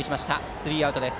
スリーアウトです。